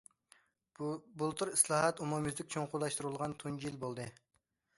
بۇلتۇر ئىسلاھات ئومۇميۈزلۈك چوڭقۇرلاشتۇرۇلغان تۇنجى يىل بولدى.